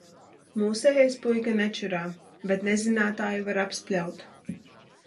Mūsējais puika nečurā, bet nezinātāju var apspļaut.